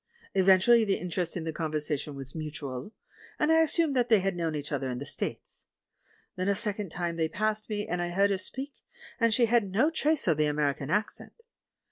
Evidently the interest in the conversation was mutual, and I assumed that they had known each other in the States. Then a second trnie they passed me, and I heard her speak, and she had no trace of the American accent.